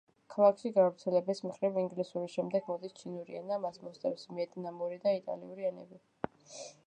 ქალაქში გავრცელების მხრივ ინგლისურის შემდეგ მოდის ჩინური ენა, მას მოსდევს ვიეტნამური და იტალიური ენები.